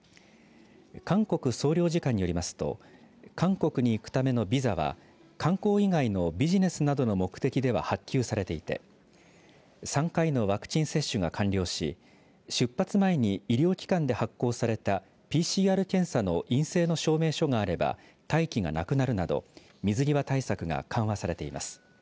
韓国総領事館によりますと韓国に行くためのビザは観光以外のビジネスなどの目的では発給されていて３回のワクチン接種が完了し出発前に医療機関で発行されたＰＣＲ検査の陰性の証明書があれば待機がなくなるなど水際対策が緩和されています。